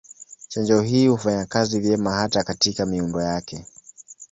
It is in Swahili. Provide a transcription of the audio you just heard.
Chanjo hii hufanya kazi vyema hata katika miundo yote.